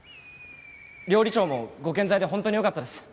料理長もご健在でホントによかったです。